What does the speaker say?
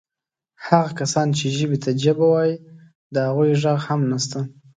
هغه کسان چې ژبې ته جبه وایي د هغو ږغ هم نسته.